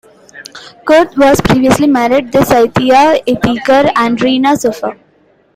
Kurth was previously married to Cynthia Ettinger and Rena Sofer.